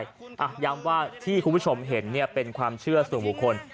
ย้ำว่าที่คุณผู้ชมเห็นเป็นความเชื่อสู่บุคคล